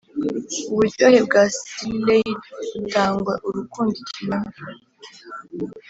uburyohe bwa selileide butanga urukundo ikinyoma.